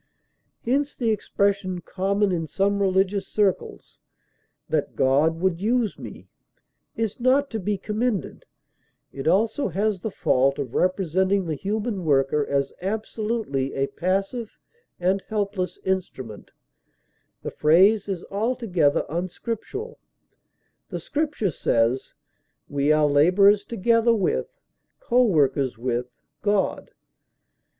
Hence the expression common in some religious circles "that God would use me" is not to be commended; it has also the fault of representing the human worker as absolutely a passive and helpless instrument; the phrase is altogether unscriptural; the Scripture says, "We are laborers together with (co workers with) God."